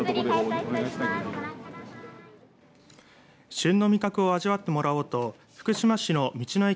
旬の味覚を味わってもらおうと福島市の道の駅